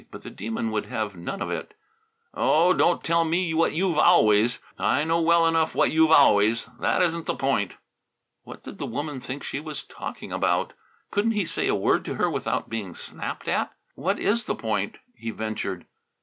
But the Demon would have none of it. "Oh, don't tell me what you've 'always!' I know well enough what you've 'always.' That isn't the point." What did the woman think she was talking about? Couldn't he say a word to her without being snapped at? "What is the point?" he ventured.